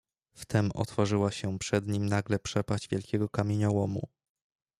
"Wtem otworzyła się przed nim nagle przepaść wielkiego kamieniołomu."